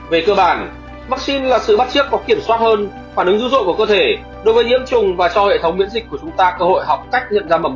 về cơ bản vắc xin là sự bắt chiếc và kiểm soát hơn phản ứng dữ dội của cơ thể đối với nhiễm trùng và cho hệ thống miễn dịch của chúng ta cơ hội học cách nhận ra mầm bệnh và đồng thời giảm nguy cơ mắc lỗi và tự phản ứng